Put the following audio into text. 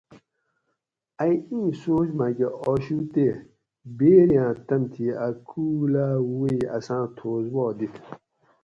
ائ اِیں سوچ ماٞکٞہ آشُو تے بیری آۤں تم تھی اٞ کُول اٞ ووئ اساٞں تھوس وا دِت